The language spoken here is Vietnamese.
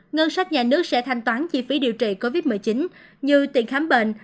ngân sách nhà nước sẽ thanh toán chi phí điều trị covid một mươi chín như tiền khám bệnh